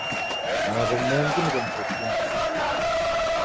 Malogho mengi nigho nisekunde